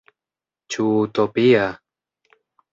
Ĉu utopia?